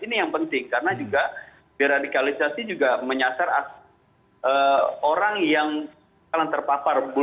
ini yang penting karena juga deradikalisasi juga menyasar orang yang terpapar